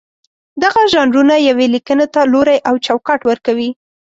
دغه ژانرونه یوې لیکنې ته لوری او چوکاټ ورکوي.